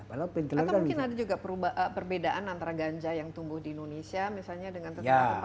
atau pencernaan juga perubahan perbedaan antara ganja yang tumbuh di indonesia misalnya dengan